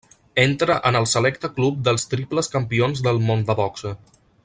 Entre en el selecte club dels triples campions del món de boxa.